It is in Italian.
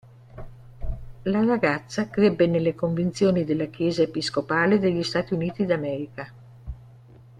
La ragazza crebbe nelle convinzioni della Chiesa episcopale degli Stati Uniti d'America.